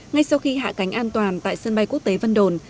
ngay sau khi hạ cánh an toàn tại sân bay quốc tế vân đồn